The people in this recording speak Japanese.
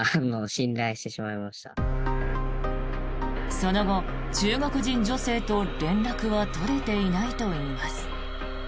その後、中国人女性と連絡は取れていないといいます。